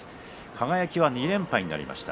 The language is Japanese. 輝は２連敗となりました。